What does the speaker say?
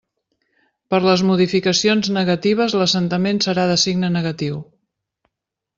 Per les modificacions negatives, l'assentament serà de signe negatiu.